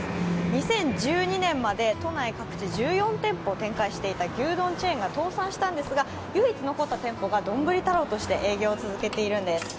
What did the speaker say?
２０１２年まで都内各地１４店舗展開していた牛丼チェーンが倒産したんですが唯一残った店舗が丼太郎として営業を続けているんです。